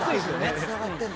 「つながってんだ」